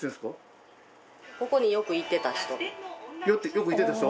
よく行ってた人？